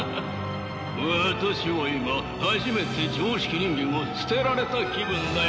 私は今初めて常識人間を捨てられた気分だよ。